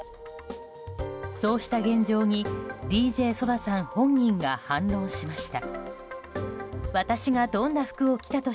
そうした現状にＤＪＳＯＤＡさん本人が反論しました。